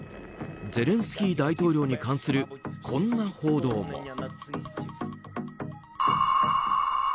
ゼレンスキー大統領に関するこんな報道も。